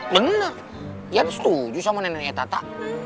bener iyan setuju sama neneknya tata